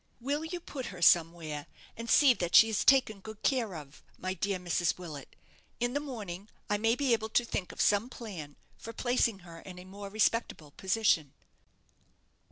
Will you put her somewhere, and see that she is taken good care of, my dear Mrs. Willet? In the morning I may be able to think of some plan for placing her in a more respectable position."